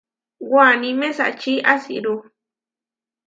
Waní mesačí asirú.